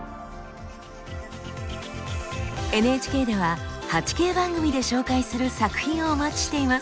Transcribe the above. ＮＨＫでは８Ｋ番組で紹介する作品をお待ちしています。